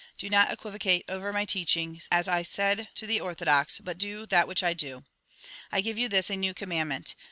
Do not equivocate over my teaching, as I said to the orthodox, but do that which I do. I give you this, a new commandment.